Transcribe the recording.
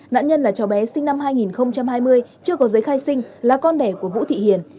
nạn nhân là cháu bé sinh năm hai nghìn hai mươi chưa có giấy khai sinh là con đẻ của vũ thị hiền